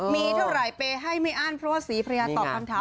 มีเท่าไหร่เปย์ให้ไม่อั้นเพราะว่าศรีภรรยาตอบคำถาม